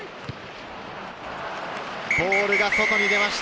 ボールが外に出ました。